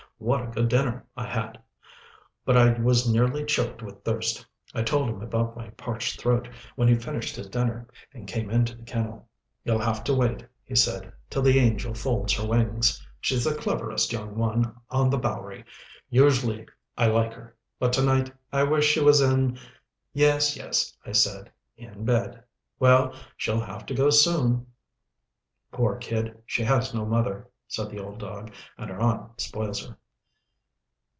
What a good dinner I had! But I was nearly choked with thirst. I told him about my parched throat, when he finished his dinner, and came into the kennel. "You'll have to wait," he said, "till the angel folds her wings. She's the cleverest young one on the Bowery. Usually I like her, but to night I wish she was in " "Yes, yes," I said, "in bed. Well, she'll have to go soon." "Poor kid. She has no mother," said the old dog, "and her aunt spoils her."